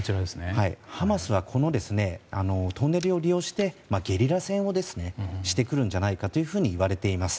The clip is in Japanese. ハマスはトンネルを利用してゲリラ戦をしてくるんじゃないかといわれています。